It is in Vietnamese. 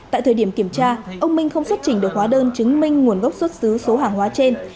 tại thời điểm kiểm tra ông minh không xuất trình được hóa đơn chứng minh nguồn gốc xuất xứ số hàng hóa trên